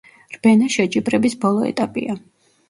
რბენა შეჯიბრების ბოლო ეტაპია.